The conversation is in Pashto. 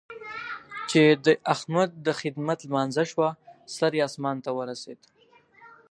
چې د احمد د خدمت لمانځه شوه؛ سر يې اسمان ته ورسېد.